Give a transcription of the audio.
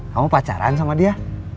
kamu pacaran sama dia